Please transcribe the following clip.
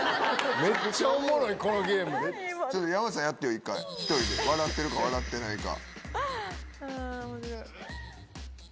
山内さんやってよ一回１人で笑ってるか笑ってないか。